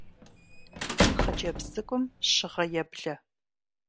Хъыджэбз цӀыкӀум щыгъэ еблэ.